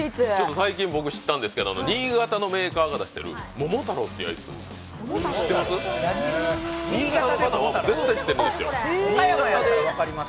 最近、僕知ったんですけど、新潟のメーカーが出してるもも太郎っていうアイス、知ってます？